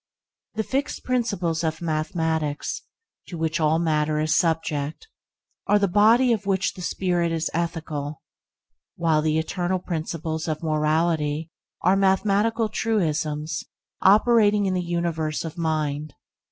The fixed principles of mathematics, to which all matter is subject, are the body of which the spirit is ethical; while the eternal principles of morality are mathematical truisms operating in the universe of mind.